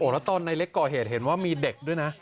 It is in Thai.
แล้วตอนในเล็กก่อเหตุเห็นว่ามีเด็กด้วยนะ